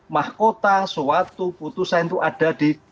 mahkota suatu putusan itu ada di